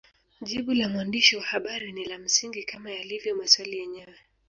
Jibu la mwandishi wa habari ni la msingi kama yalivyo maswali yenyewe